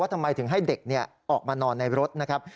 ทำไมถึงให้เด็กออกมานอนในรถนะครับ